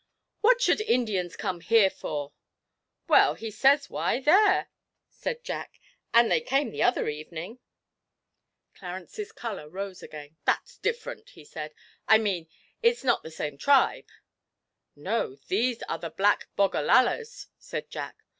'What should Indians come here for?' 'Well, he says why, there,' said Jack, 'and they came the other evening.' Clarence's colour rose again. 'That's different,' he said; 'I mean, it's not the same tribe.' 'No, these are Black Bogallalas,' said Jack.